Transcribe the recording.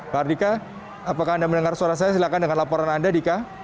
mardika apakah anda mendengar suara saya silahkan dengan laporan anda dika